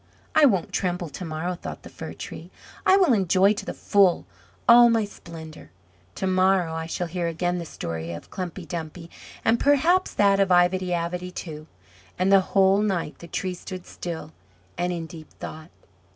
"I won't tremble to morrow," thought the Fir tree. "I will enjoy to the full all my splendour. To morrow I shall hear again the story of Klumpy Dumpy, and perhaps that of Ivedy Avedy, too." And the whole night the Tree stood still and in deep thought.